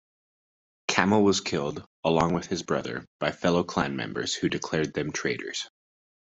Kamel was killed, along with his brother, by fellow-clan members, who declared them traitors.